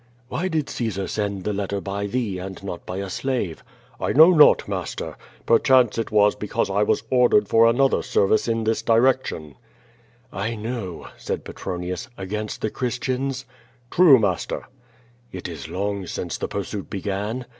"WTiy did Caesar send the letter by thee and not by a slave?" "I know not, master. Perchance it was because I was or dered for another service in this direction." 37 2 QUO VADI8. "I know/' said Petronius, "against the Christians?'* "True, master." "Is it long since the pursuit began?''